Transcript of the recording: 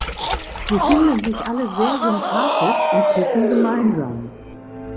Sie finden sich alle sehr sympathisch und kiffen gemeinsam.